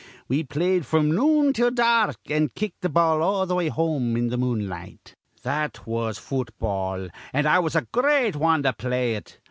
We played fr'm noon till dark, an' kicked th' ball all th' way home in the moonlight. "That was futball, an' I was a great wan to play it.